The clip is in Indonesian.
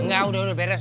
enggak udah beres